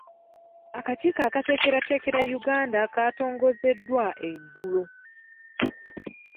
Akakiiko akateekerateekera Uganda kaatongozeddwa eggulo.